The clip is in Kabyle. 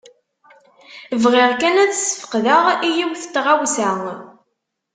Bɣiɣ kan ad ssfeqdeɣ i yiwet n tɣawsa.